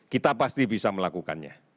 kita pasti bisa melakukannya